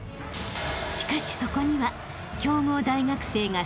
［しかしそこには］